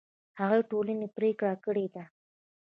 هغه ټولنې پرېکړه کړې ده